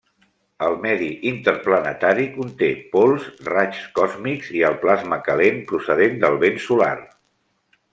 El medi interplanetari conté pols, raigs còsmics i el plasma calent procedent del vent solar.